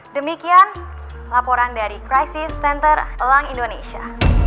demikian laporan dari crisis center elang indonesia